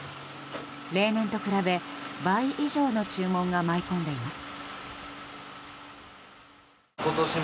例年と比べ、倍以上の注文が舞い込んでいます。